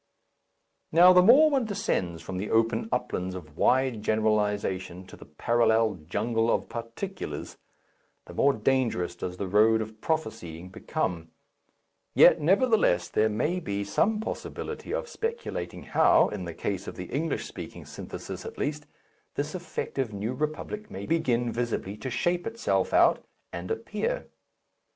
Now, the more one descends from the open uplands of wide generalization to the parallel jungle of particulars, the more dangerous does the road of prophesying become, yet nevertheless there may be some possibility of speculating how, in the case of the English speaking synthesis at least, this effective New Republic may begin visibly to shape itself out and appear.